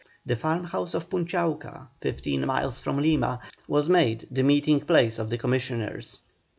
The farm house of Punchauca, fifteen miles from Lima, was made the meeting place of the Commissioners.